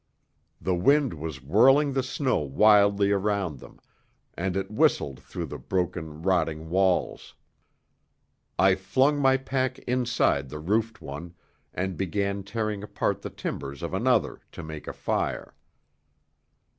The wind was whirling the snow wildly around them, and it whistled through the broken, rotting walls. I flung my pack inside the roofed one, and began tearing apart the timbers of another to make a fire.